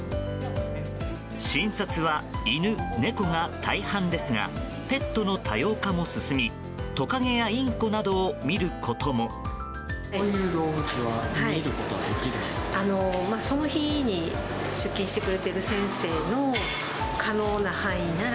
診察は犬、猫が大半ですがペットの多様化も進みトカゲやインコなどを診ることも。